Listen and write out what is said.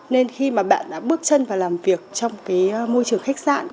nên khi mà bạn đã bước chân vào làm việc trong cái môi trường khách sạn